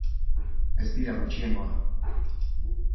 Ez dira gutxiengoa.